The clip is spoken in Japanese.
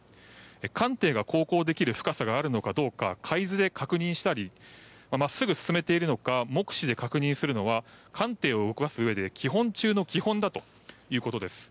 艦艇が航行できる深さがあるのかどうか海図で確認したり真っすぐ進めているのか目視で確認するのは艦艇を動かすうえで基本中の基本だということです。